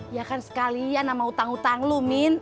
ya kan sekalian sama utang utang lu min